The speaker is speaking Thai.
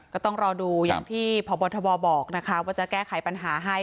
ก็ต้องรอดูอย่างที่พบทบบอกนะคะว่าจะแก้ไขปัญหาให้